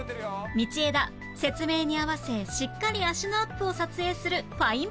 道枝説明に合わせしっかり足のアップを撮影するファインプレー